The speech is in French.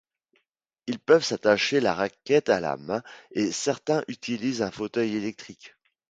Ils peuvent s'attacher la raquette à la main et certains utilisent un fauteuil électrique.